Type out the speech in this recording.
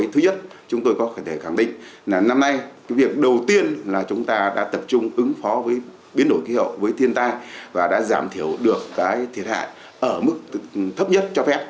thứ nhất chúng tôi có thể khẳng định là năm nay cái việc đầu tiên là chúng ta đã tập trung ứng phó với biến đổi khí hậu với thiên tai và đã giảm thiểu được cái thiệt hại ở mức thấp nhất cho phép